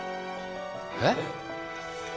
えっ？